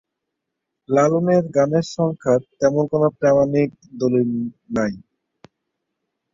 লালনের গানের সংখ্যার তেমন কোন প্রামাণিক দলিল নেই।